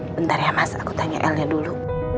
bentar ya mas aku tanya elnya dulu